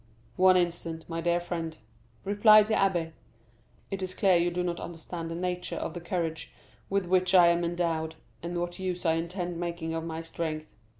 "One instant, my dear friend," replied the abbé; "it is clear you do not understand the nature of the courage with which I am endowed, and what use I intend making of my strength.